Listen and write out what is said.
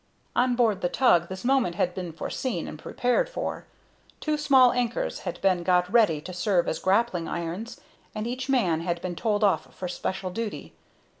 On board the tug this moment had been foreseen and prepared for. Two small anchors had been got ready to serve as grappling irons, and each man had been told off for special duty.